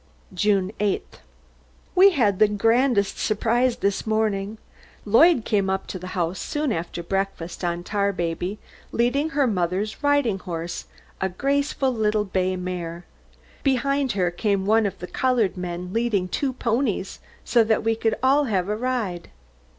JUNE 8th. We had the grandest surprise this morning. Lloyd came up to the house soon after breakfast, on Tarbaby, leading her mother's riding horse, a graceful little bay mare. Behind her came one of the coloured men leading two ponies, so that we could all have a ride.